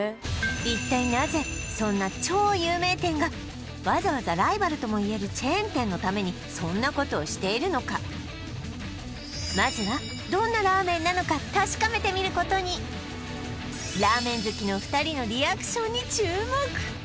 一体なぜそんな超有名店がわざわざライバルともいえるチェーン店のためにそんなことをしているのかまずはどんなラーメンなのか確かめてみることに何